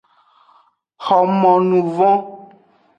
Xomonuvon.